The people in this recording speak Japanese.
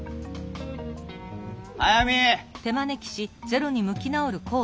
速水！